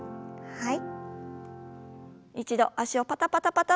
はい。